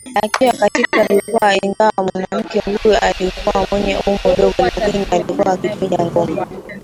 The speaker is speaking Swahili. akiwa katika jukwaa Ingawa mwanamke huyo alikuwa mwenye umbo dogo lakini alikuwa akipiga ngoma